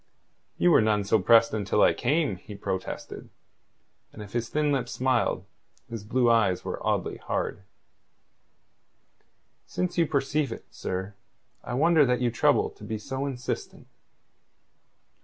"You were none so pressed until I came," he protested, and if his thin lips smiled, his blue eyes were oddly hard. "Since you perceive it, sir, I wonder that you trouble to be so insistent."